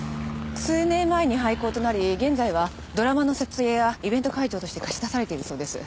数年前に廃校となり現在はドラマの撮影やイベント会場として貸し出されているそうです。